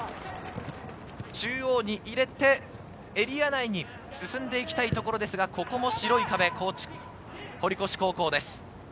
中央に入れて、エリア内に進んでいきたいところですが、ここも白い壁、堀越高校です。